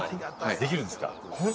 できるんですか？